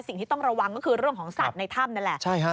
สิ่งที่ต้องระวังก็คือเรื่องของสัตว์ในถ้ำนั่นแหละ